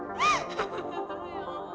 tante ya allah